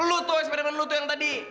lu tuh eksperimen lu tuh yang tadi